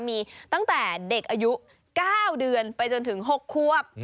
มีตั้งแต่เด็กอายุ๙เดือนไปจนถึง๖ควบ